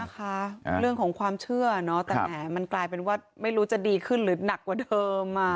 เรื่องของความเชื่อแต่แหมมันกลายเป็นว่าไม่รู้จะดีขึ้นหรือหนักกว่าเดิม